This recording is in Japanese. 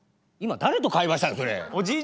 今誰と会話したんだそれ。